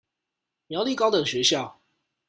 苗栗高等學校